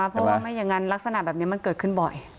เพราะว่าไม่อย่างนั้นลักษณะแบบนี้มันเกิดขึ้นบ่อย